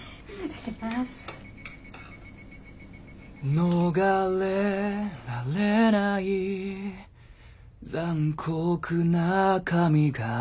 「逃れられない残酷な神が」